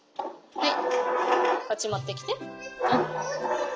はい。